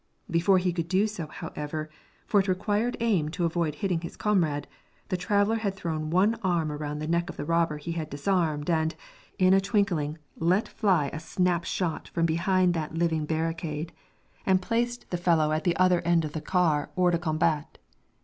Before he could do so, however, for it required aim to avoid hitting his comrade, the traveler had thrown one arm around the neck of the robber he had disarmed, and, in a twinkling, let fly a snap shot from behind that living barricade and placed the fellow at the other end of the car hors de combat.